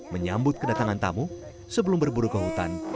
menyambut kedatangan tamu sebelum berburu ke hutan